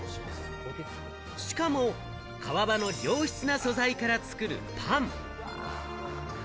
しかも川場の良質な素材から作るパン。